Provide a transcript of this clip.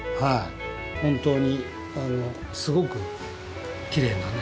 本当にすごくきれいなね